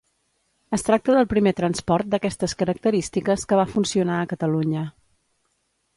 Es tracta del primer transport d'aquestes característiques que va funcionar a Catalunya.